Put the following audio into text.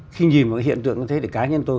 khi nhìn một cái hiện tượng như thế thì cá nhân tôi